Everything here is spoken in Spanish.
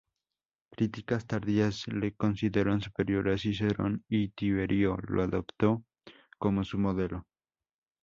Críticas tardías le consideran superior a Cicerón y Tiberio lo adoptó como su modelo.